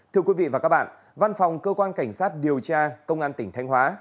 thưa quý vị và các bạn văn phòng cơ quan cảnh sát điều tra công an tỉnh thanh hóa